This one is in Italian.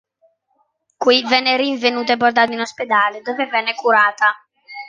Qui venne rinvenuta e portata in ospedale dove venne curata.